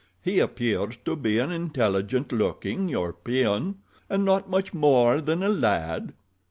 He appears to be an intelligent looking European—and not much more than a lad.